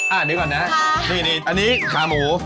อันนี้ก่อนนะนี่อันนี้ขาหมู